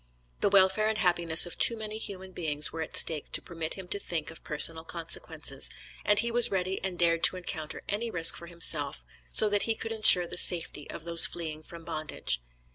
The welfare and happiness of too many human beings were at stake to permit him to think of personal consequences, and he was ready and dared to encounter any risk for himself, so that he could insure the safety of those fleeing from bondage.